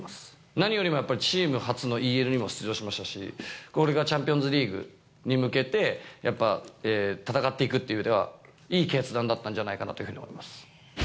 何よりもやっぱりチーム初のＥＬにも出場しましたし、これからチャンピオンズリーグに向けて、やっぱ戦っていくってうえでは、いい決断だったんじゃないかなと思います。